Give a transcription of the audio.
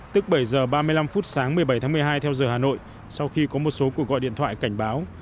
tức bảy h ba mươi năm phút sáng một mươi bảy tháng một mươi hai theo giờ hà nội sau khi có một số cuộc gọi điện thoại cảnh báo